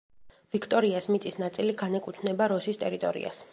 ვიქტორიას მიწის ნაწილი განეკუთვნება როსის ტერიტორიას.